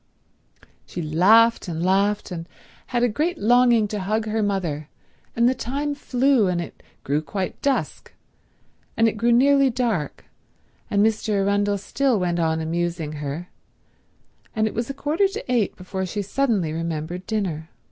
She laughed and laughed, and had a great longing to hug her mother, and the time flew, and it grew quite dusk, and it grew nearly dark, and Mr. Arundel still went on amusing her, and it was a quarter to eight before she suddenly remembered dinner.